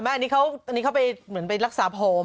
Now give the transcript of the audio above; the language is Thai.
อันนี้เขาอันนี้เขาไปเหมือนไปรักษาผม